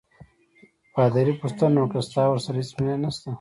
پادري پوښتنه وکړه: ستا ورسره هیڅ مینه نشته؟